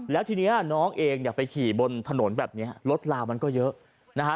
แล้วทีนี้น้องเองเนี่ยไปขี่บนถนนแบบนี้รถลาวมันก็เยอะนะฮะ